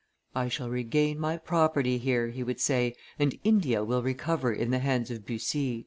"I shall regain my property here," he would say, "and India will recover in the hands of Bussy."